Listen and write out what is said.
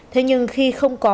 thế nhưng khi không có